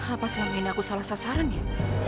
apa selama ini aku salah sasaran ya